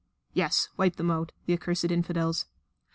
"Yes, wipe them out the accursed infidels!"